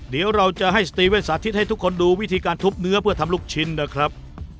เดี๋ยวเราจะให้สตรีเวทสาธิตให้ทุกคนดูวิธีการทุบเนื้อเพื่อทำลูกชิ้นนะครับ